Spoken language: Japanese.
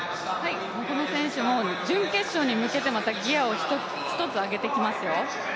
この選手も準決勝に向けてギアを１つ上げてきますよ。